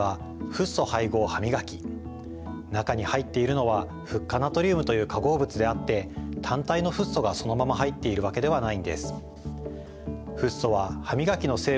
例えば中に入っているのはフッ化ナトリウムという化合物であって単体のフッ素がそのまま入っているわけではないんです。